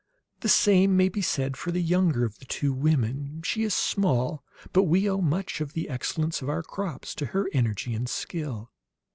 The same may be said for the younger of the two women; she is small, but we owe much of the excellence of our crops to her energy and skill.